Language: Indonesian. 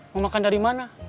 mau makan dari mana